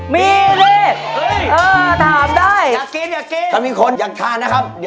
มีนี่ถามได้